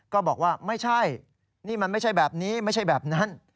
ก็บอกว่าไม่ใช่นี่มันไม่ใช่แบบนี้ไม่ใช่แบบนั้น